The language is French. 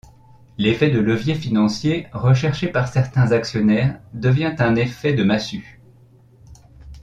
L'effet de levier financier recherché par certains actionnaires devient un effet de massue.